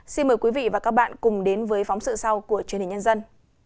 xin mời quý vị và các bạn cùng đến với phóng sự sau của truyền hình nhân dân